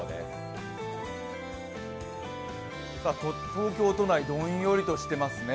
東京都内、どんよりとしていますね。